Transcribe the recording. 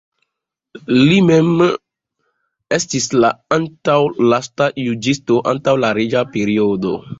Li mem estis la antaŭlasta juĝisto antaŭ la reĝa periodo.